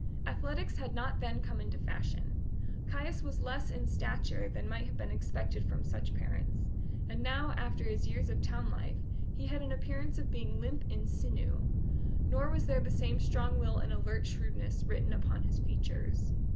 Athletics had not then come into fashion; Caius was less in stature than might have been expected from such parents; and now, after his years of town life, he had an appearance of being limp in sinew, nor was there the same strong will and alert shrewdness written upon his features.